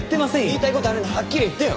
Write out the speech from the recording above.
言いたい事があるならはっきり言ってよ！